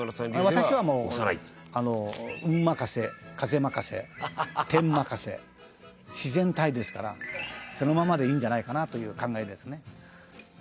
「私はあの運任せ風任せ天任せ」「自然体ですからそのままでいいんじゃないかなという考えですねええ」